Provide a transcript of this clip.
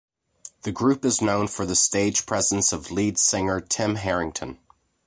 The group is known for the stage presence of lead singer Tim Harrington.